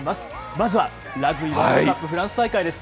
まずはラグビーワールドカップフランス大会です。